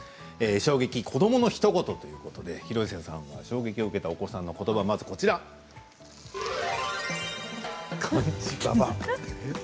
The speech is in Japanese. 衝撃、子どものひと言ということで広末さんが衝撃を受けたお子さんのことばまずは、漢字ババア。